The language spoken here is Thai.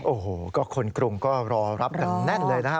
เพราะคนกรุงก็รอรับกันแน่นเลยนะฮะ